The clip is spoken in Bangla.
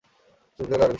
সুচরিতা আরো বিস্মিত হইল।